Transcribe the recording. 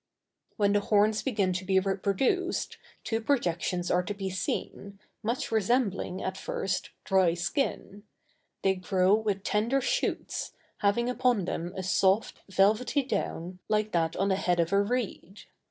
_] When the horns begin to be reproduced, two projections are to be seen, much resembling, at first, dry skin; they grow with tender shoots, having upon them a soft, velvety down like that on the head of a reed.